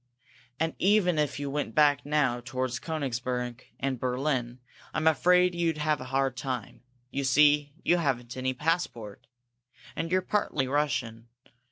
And, even if you went back now toward Koenigsberg and Berlin, I'm afraid you'd have a hard time. You see, you haven't any passport. And you're partly Russian.